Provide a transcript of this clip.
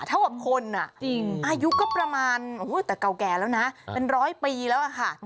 เท่ากับคนอายุก็ประมาณแต่เก่าแก่แล้วนะเป็นร้อยปีแล้วอะค่ะ